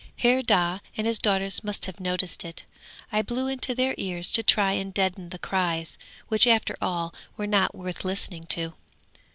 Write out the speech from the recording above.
'Herr Daa and his daughters must have noticed it. I blew into their ears to try and deaden the cries, which after all were not worth listening to.